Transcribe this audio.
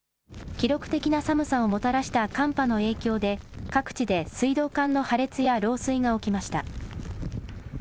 記録的な寒さをもたらした寒波の影響で、各地で水道管の破裂や漏水が起きました。